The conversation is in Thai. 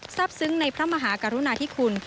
ซึ้งในพระมหากรุณาธิคุณ